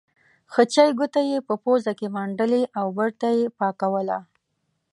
خچۍ ګوته یې په پوزه کې منډلې او بېرته یې پاکوله.